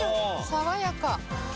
爽やか。